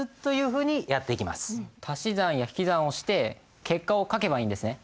足し算や引き算をして結果を書けばいいんですね。